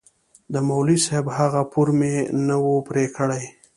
د مولوي صاحب هغه پور مې نه و پرې کړى.